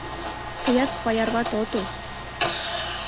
Тыят паяр вате отыл!